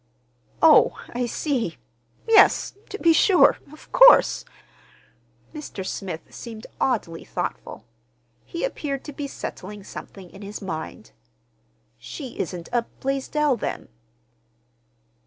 "Oh, I see. Yes, to be sure. Of course!" Mr. Smith seemed oddly thoughtful. He appeared to be settling something in his mind. "She isn't a Blaisdell, then."